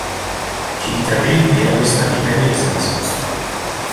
Txikitatik pianista bikaina izan zen.